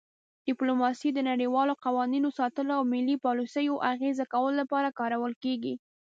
ډیپلوماسي د نړیوالو قوانینو ساتلو او ملي پالیسیو اغیزه کولو لپاره کارول کیږي